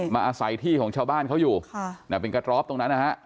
มาอาศัยที่ของชาวบ้านเขาอยู่เป็นกระตรอบตรงนั้นนะฮะ